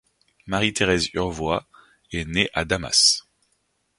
Marie-Thérèse Urvoy est née à Damas.